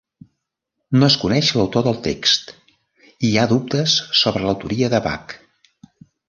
No es coneix l'autor del text i hi ha dubtes sobre l'autoria de Bach.